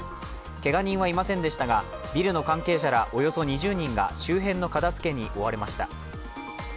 けが人はいませんでしたが、ビルの関係者らおよそ２０人が周辺の片づけに追われました。